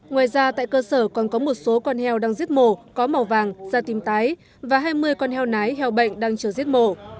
ngoài ra tại cơ sở còn có một số con heo đang giết mổ có màu vàng da tím tái và hai mươi con heo nái heo bệnh đang chờ giết mổ